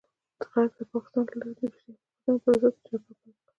غرب د پاکستان له لارې د روسي حماقتونو پرضد جګړه پيل کړه.